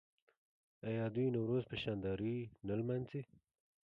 آیا دوی نوروز په شاندارۍ نه لمانځي؟